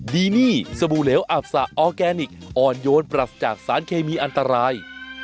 ดีนี่สบู่เหลวอับสะออร์แกนิคอ่อนโยนปรัสจากสารเคมีอันตราย